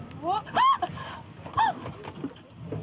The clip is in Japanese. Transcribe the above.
あっ！